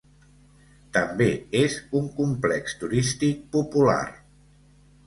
També és un complex turístic popular.